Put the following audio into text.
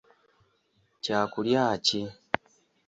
Kya kulya ki?